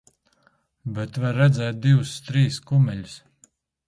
Bet var redzēt divus, trīs kumeļus.